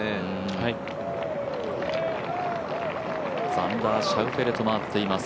ザンダー・シャウフェレと回っています。